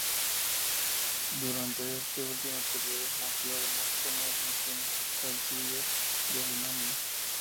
Durante este último periodo, fungió además como Vicecanciller de Alemania.